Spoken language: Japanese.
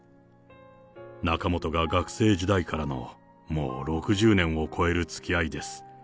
仲本が学生時代からの、もう６０年を超えるつきあいです。